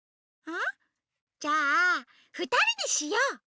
あっじゃあふたりでしよう！